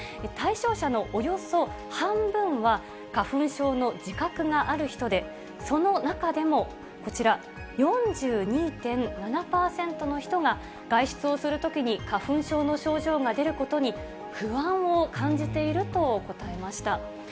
対象者のおよそ半分は花粉症の自覚がある人で、その中でも、こちら、４２．７％の人が、外出をするときに花粉症の症状が出ることに不安を感じていると答えました。